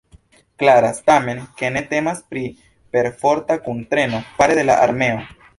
Klaras, tamen, ke ne temas pri perforta kuntreno fare de la armeo.